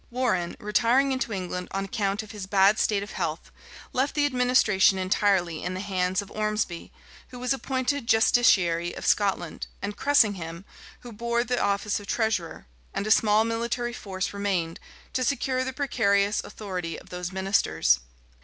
Warrenne, retiring into England on account of his bad state of health, left the administration entirely in the hands of Ormesby, who was appointed justiciary of Scotland, and Cressingham, who bore the office of treasurer; and a small military force remained, to secure the precarious authority of those ministers.